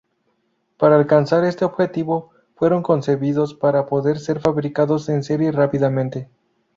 Para alcanzar este objetivo, fueron concebidos para poder ser fabricados en serie rápidamente.